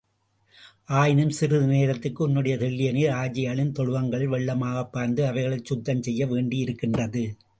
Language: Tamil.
ஆயினும், சிறிது நேரத்திற்கு உன்னுடைய தெள்ளிய நீர் ஆஜியளின் தொழுவங்களில் வெள்ளமாகப் பாய்ந்து அவைகளைச் சுத்தம் செய்ய வேண்டியிருக்கின்றது.